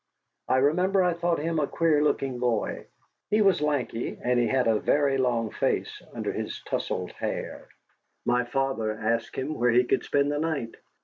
I remember I thought him a queer looking boy. He was lanky, and he had a very long face under his tousled hair. My father asked him where he could spend the night.